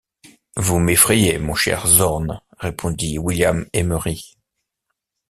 Vous m’effrayez, mon cher Zorn, répondit William Emery.